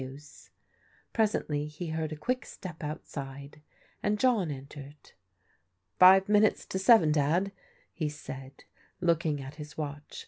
Presently he heard a quick step outside, and John entered. " Five minutes to seven, Dad," he said, looking at his watch.